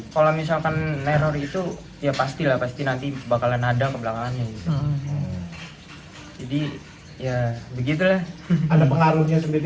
kalau misalkan itu ya pastilah pasti nanti bakalan ada kebelakangannya jadi ya begitu